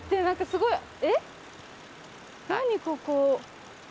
何かすごいえっ？